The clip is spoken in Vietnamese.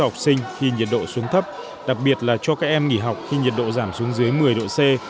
học sinh khi nhiệt độ xuống thấp đặc biệt là cho các em nghỉ học khi nhiệt độ giảm xuống dưới một mươi độ c